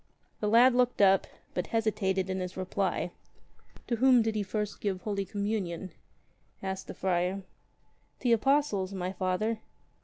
'' The lad looked up, but hesitated in his reply. ^'To whom did He first give Holy Communion?" asked the friar. ''To the apostles, my Father."